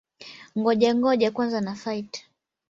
Ngoja-ngoja kwanza na-fight!